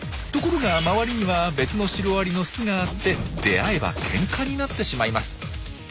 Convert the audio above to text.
ところが周りには別のシロアリの巣があって出会えばけんかになってしまいます。